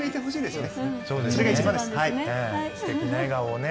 すてきな笑顔をね